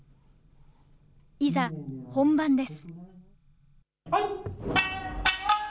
いざ、本番です。